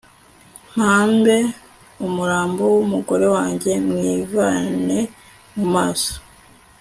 mpambe umurambo w umugore wanjye mwivane mu maso